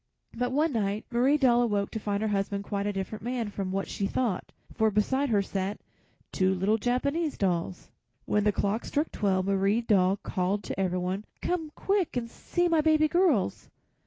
But one night Marie Doll awoke to find her husband quite a different man from what she thought, for beside her sat two little Japanese dolls. When the clock struck twelve Marie Doll called to everyone: "Come quick and see my baby girls!"